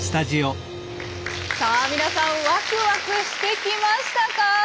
さあ皆さんワクワクしてきましたか？